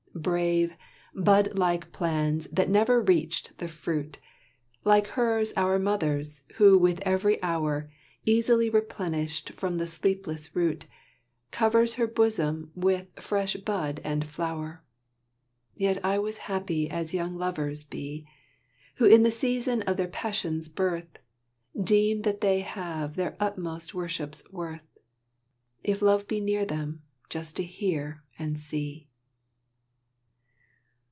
Brave bud like plans that never reached the fruit, Like hers our mother's who with every hour, Easily replenished from the sleepless root, Covers her bosom with fresh bud and flower; Yet I was happy as young lovers be, Who in the season of their passion's birth Deem that they have their utmost worship's worth, If love be near them, just to hear and see.